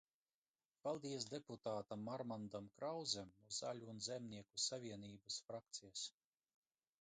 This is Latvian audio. Paldies deputātam Armandam Krauzem no Zaļo un Zemnieku savienības frakcijas.